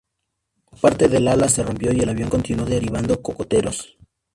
Parte del ala se rompió y el avión continuó derribando cocoteros.